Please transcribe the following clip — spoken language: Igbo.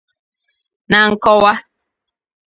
Na nkọwa